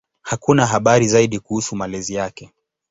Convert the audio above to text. Hakuna habari zaidi kuhusu malezi yake.